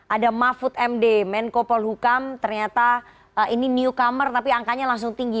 ada mahfud md menko polhukam ternyata ini newcomer tapi angkanya langsung tinggi